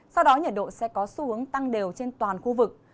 sau đó nhiệt độ sẽ có xu hướng tăng đều trên toàn khu vực